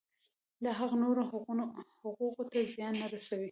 دا حق نورو حقوقو ته زیان نه رسوي.